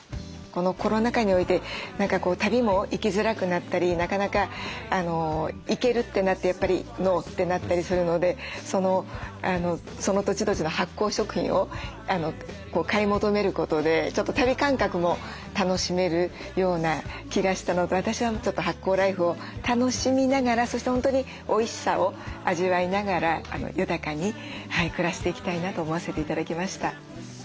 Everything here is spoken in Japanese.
このコロナ渦において何か旅も行きづらくなったりなかなか行けるってなってやっぱりノーってなったりするのでその土地土地の発酵食品を買い求めることでちょっと旅感覚も楽しめるような気がしたのと私はちょっと発酵ライフを楽しみながらそして本当においしさを味わいながら豊かに暮らしていきたいなと思わせて頂きました。